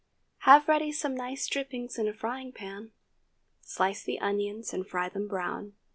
Have ready some nice dripping in a frying pan. Slice the onions and fry them brown.